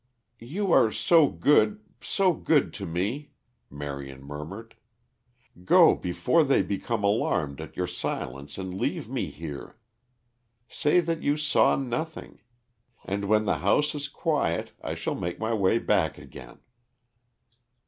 "You are so good, so good to me," Marion murmured. "Go before they become alarmed at your silence and leave me here. Say that you saw nothing. And when the house is quiet I shall make my way back again."